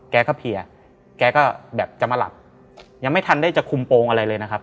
แกก็เพลียแกก็แบบจะมาหลับยังไม่ทันได้จะคุมโปรงอะไรเลยนะครับ